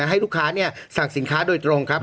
ให้ลูกค้าสั่งสินค้าโดยตรงครับ